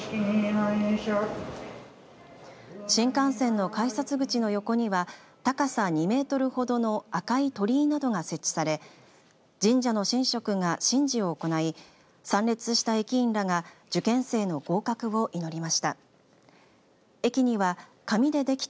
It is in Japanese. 新幹線の改札口の横には高さ２メートルほどの赤い鳥居などが設置され神社の神職が神事を行い参列した駅員らが受験生の合格を祈りました。